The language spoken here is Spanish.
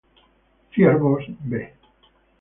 Ciervos "B"